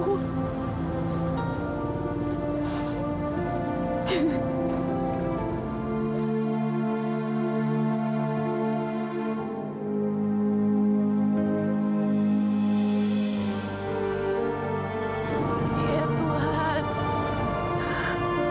tuhan aku berjanji untuk menjaga anaknya dengan baik